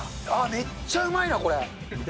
めっちゃうまいな、これ。